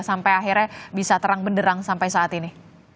sampai akhirnya bisa terang benderang sampai saat ini